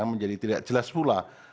menjadi tidak jelas pula